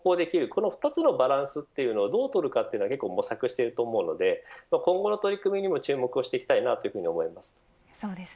この２つのバランスをどう取るかが模索していると思うので今後の取り組みにも注目していきたいと思います。